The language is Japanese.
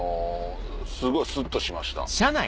すごいスッとしました。